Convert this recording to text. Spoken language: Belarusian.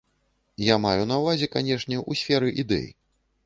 Я маю на ўвазе, канешне, у сферы ідэй.